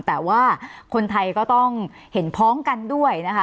แต่ว่าคนไทยก็ต้องเห็นพ้องกันด้วยนะคะ